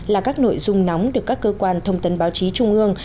là các nội dung nóng được các cơ quan thông tấn báo chí trung ương